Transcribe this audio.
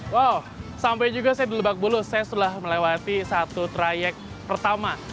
wow sampai juga saya di lebak bulus saya sudah melewati satu trayek pertama